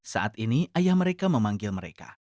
saat ini ayah mereka memanggil mereka